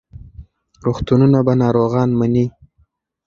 روغتونونه به ناروغان مني.